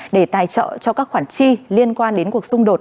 để tài trợ cho các khoản chi liên quan đến cuộc xung đột